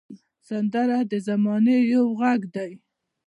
سندره د زمانې یو غږ دی